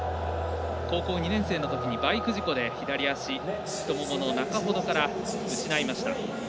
高校２年生のときにバイク事故で左足、太ももの中ほどから失いました。